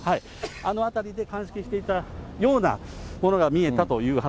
あの辺りで鑑識をしていたようなものが見えたという話。